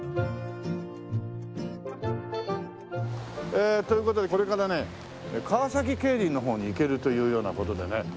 ええという事でこれからね川崎競輪の方に行けるというような事でね。